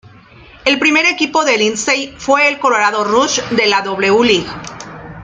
El primer equipo de Lindsey fue el Colorado Rush, de la W-League.